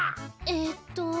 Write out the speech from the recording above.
えっと。